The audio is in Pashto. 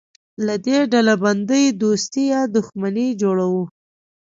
له دې ډلبندۍ دوستي یا دښمني جوړوو.